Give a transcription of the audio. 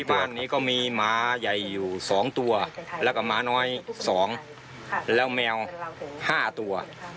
ที่บ้านนี้ก็มีหมาใหญ่อยู่สองตัวแล้วกับหมาน้อยสองแล้วแมวห้าตัว